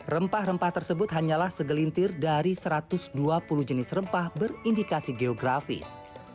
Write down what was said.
rempah rempah tersebut hanyalah segelintir dari satu ratus dua puluh jenis rempah berindikasi geografis